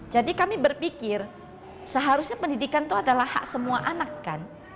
jadi kami berpikir seharusnya pendidikan itu adalah hak semua anak kan